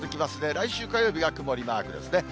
来週火曜日が曇りマークですね。